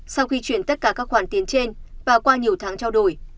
sau khi chuyển tất cả các khoản tiền trên và qua nhiều tháng trao đổi